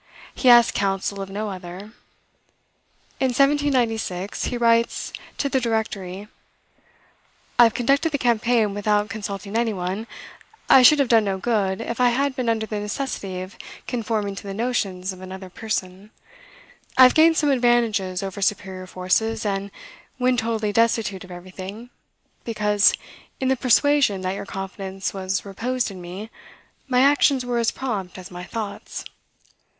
He asks counsel of no other. In 1796, he writes to the Directory: "I have conducted the campaign without consulting any one. I should have done no good, if I had been under the necessity of conforming to the notions of another person. I have gained some advantages over superior forces, and when totally destitute of everything, because, in the persuasion that your confidence was reposed in me, my actions were as prompt as my thoughts."